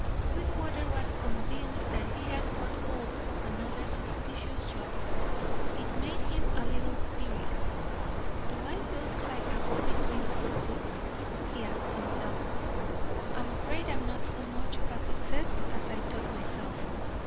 Sweetwater was convinced that he had got hold of another suspicious job. It made him a little serious. "Do I look like a go between for crooks?" he asked himself. "I'm afraid I'm not so much of a success as I thought myself."